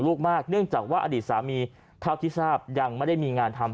ลูกมากเนื่องจากว่าอดีตสามีเท่าที่ทราบยังไม่ได้มีงานทำ